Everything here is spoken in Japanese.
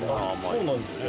そうなんですね。